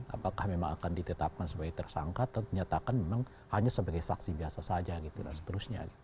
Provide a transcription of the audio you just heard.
apakah memang akan ditetapkan sebagai tersangka atau dinyatakan memang hanya sebagai saksi biasa saja gitu dan seterusnya